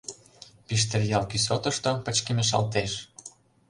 Пиштеръял кӱсотышто пычкемышалтеш.